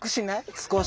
少し。